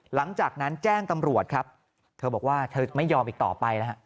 หลังจากนั้นแจ้งตำรวจครับเธอบอกว่าเธอไม่ยอมอีกต่อไปนะฮะ